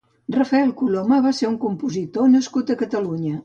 Rafael Coloma va ser un compositor nascut a Catalunya.